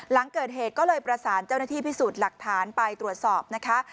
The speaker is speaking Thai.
หลังเกิดเหตุก็เลยประสานเจ้าหน้าที่พิสูจน์หลักฐานไปตรวจสอบนะคะ